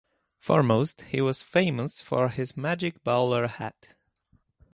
Foremost, he was famous for his magic bowler hat.